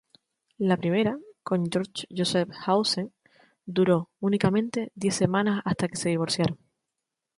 La primera, con George Joseph Hausen, duró únicamente diez semanas hasta que se divorciaron.